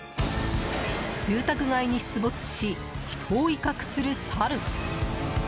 住宅街に出没し人を威嚇するサル。